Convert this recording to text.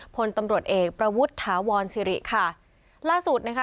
พลตำรวจเอกประวุฒิถาวรสิริค่ะล่าสุดนะคะ